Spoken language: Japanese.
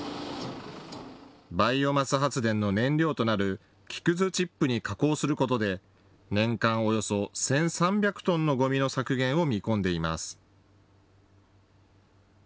バイオマス発電の燃料となる木くずチップに加工することで年間およそ１３００トンのゴミの削減を見込んでいます。